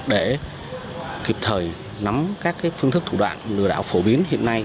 để kịp thời nắm các phương thức thủ đoạn lừa đảo phổ biến hiện nay